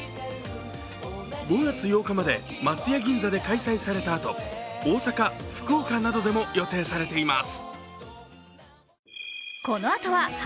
５月８日まで松屋銀座で開催されたあと大阪、福岡などでも予定されています。